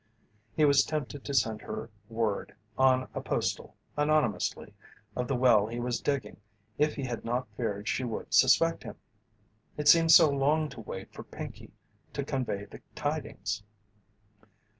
He was tempted to send her word, on a postal, anonymously, of the well he was digging if he had not feared she would suspect him. It seemed so long to wait for Pinkey to convey the tidings.